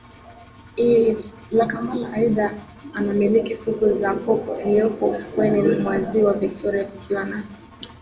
la Kampala Aidha anamiliki fukwe ya Coco iliyopo ufukweni mwa Ziwa Victoria kukiwa na